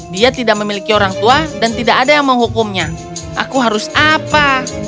dia tidak memiliki orang tua dan tidak ada yang menghukumnya aku harus apa